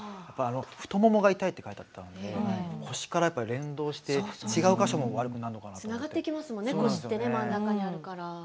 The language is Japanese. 太ももが痛いって書いてあったので腰から連動して違う箇所も悪くなるんです。